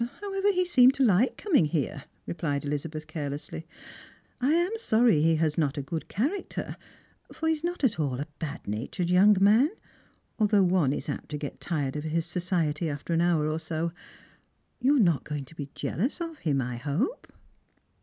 However he seemed to like coming here," replied Elizabeth carelessly. " I am sorry he has not a good character, for he is not at all a bad natured young man, although one is apt to get tired of his society after an hour or so. You are not going to be jealous of him, I hope